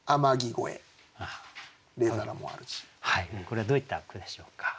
これはどういった句でしょうか？